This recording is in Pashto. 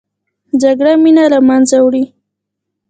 جګړه مینه له منځه وړي